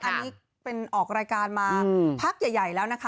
อันนี้เป็นออกรายการมาพักใหญ่แล้วนะคะ